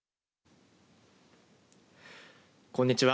こんにちは。